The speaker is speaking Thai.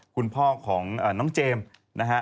คุณพ่อของน้องเจมส์นะฮะ